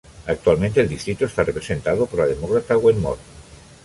Actualmente el distrito está representado por la Demócrata Gwen Moore.